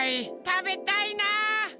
たべたいな！